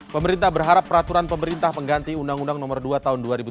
pemerintah berharap peraturan pemerintah pengganti undang undang nomor dua tahun dua ribu tujuh belas